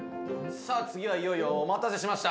さあ次はいよいよお待たせしました。